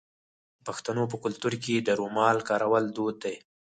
د پښتنو په کلتور کې د رومال کارول دود دی.